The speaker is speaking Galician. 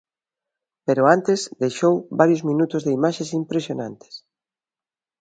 Pero antes deixou varios minutos de imaxes impresionantes.